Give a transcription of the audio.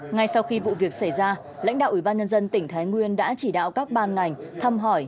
ngay sau khi vụ việc xảy ra lãnh đạo ủy ban nhân dân tỉnh thái nguyên đã chỉ đạo các ban ngành thăm hỏi